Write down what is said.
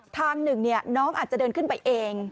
ทางหนึ่งน้องอาจจะเดินขึ้นไปเอง